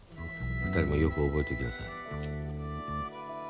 ２人ともよく覚えておきなさい。